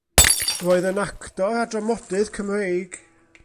Roedd yn actor a dramodydd Cymreig.